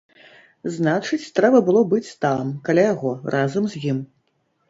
Значыць, трэба было быць там, каля яго, разам з ім.